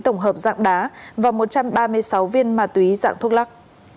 tổng hợp dạng đá và một trăm ba mươi sáu viên ma túy dạng thuốc lắc